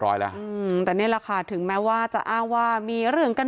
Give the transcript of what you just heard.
ร้อยแล้วอืมแต่นี่แหละค่ะถึงแม้ว่าจะอ้างว่ามีเรื่องกัน